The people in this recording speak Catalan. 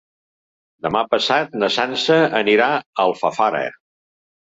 Demà passat na Sança anirà a Alfafara.